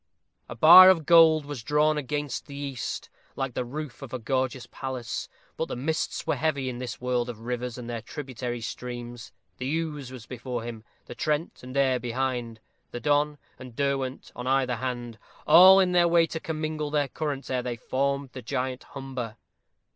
A bar of gold was drawn against the east, like the roof of a gorgeous palace. But the mists were heavy in this world of rivers and their tributary streams. The Ouse was before him, the Trent and Aire behind; the Don and Derwent on either hand, all in their way to commingle their currents ere they formed the giant Humber.